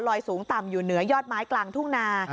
สูงต่ำอยู่เหนือยอดไม้กลางทุ่งนา